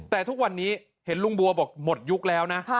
แต่ทุกวันนี้เห็นลุงบัวบอกหมดยุคแล้วนะ